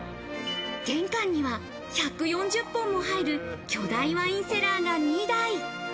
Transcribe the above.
玄関には１４０本も入る巨大ワインセラーが２台。